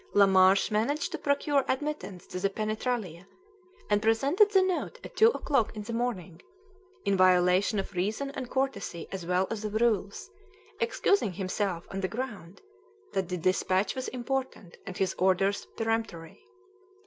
Lamarche managed to procure admittance to the penetralia, and presented the note at two o'clock in the morning, in violation of reason and courtesy as well as of rules, excusing himself on the ground that the despatch was important and his orders peremptory.